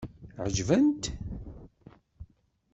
Ɛeǧben-t?